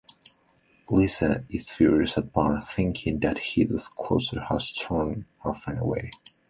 Lisa is furious at Bart, thinking that his disclosure has turned her friends away.